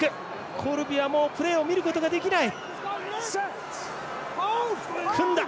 コルビはもうプレーを見ることができない。